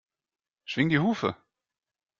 Schwing die Hufe!